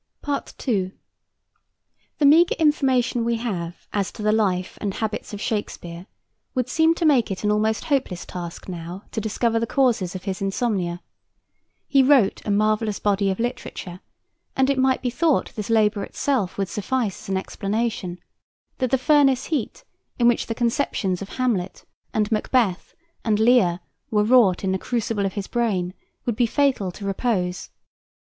II. The meagre information we have as to the life and habits of Shakespeare would seem to make it an almost hopeless task now to discover the causes of his insomnia. He wrote a marvellous body of literature, and it might be thought this labor itself would suffice as an explanation: that the furnace heat in which the conceptions of Hamlet and Macbeth and Lear were wrought in the crucible of his brain would be fatal to repose.